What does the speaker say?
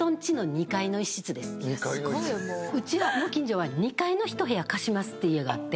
うちの近所は２階の１部屋貸しますって家があって。